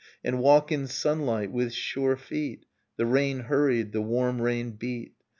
And walk in sunlight with sure feet. The rain hurried ... The warm rain beat